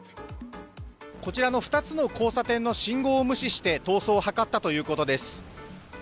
こちらの２つの交差点の信号を無視して逃走を図ったということです。